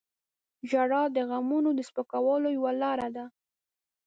• ژړا د غمونو د سپکولو یوه لاره ده.